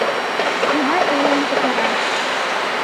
Шимай ойлен пытара.